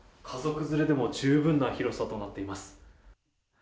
家族連れでも十分な広さとなっています。